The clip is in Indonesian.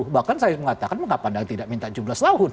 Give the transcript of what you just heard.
bahkan saya mengatakan mengapa anda tidak minta jumlah setahun